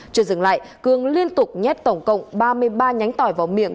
chưa dừng lại cương liên tục nhét tổng cộng ba mươi ba nhánh tỏi vào miệng